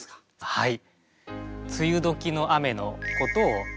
はい。